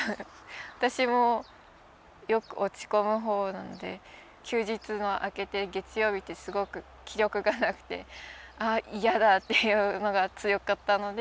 私もよく落ち込む方なんで休日が明けて月曜日ってすごく気力がなくてああ嫌だっていうのが強かったので。